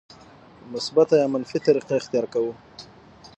مثبته یا منفي طریقه اختیار کوو.